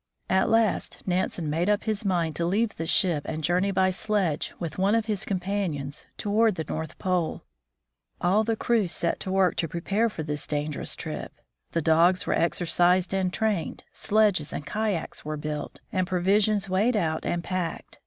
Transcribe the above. At last Nansen made up his mind to leave the ship and journey by sledge with one of his companions toward the North Pole. All the crew set to work to prepare for this dangerous trip. The dogs were exercised and trained, sledges and kayaks were built, and provisions weighed out and packed.